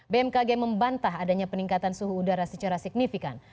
bmkg membantah adanya peningkatan suhu udara secara signifikan